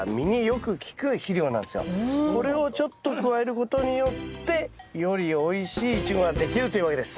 これをちょっと加えることによってよりおいしいイチゴができるというわけです。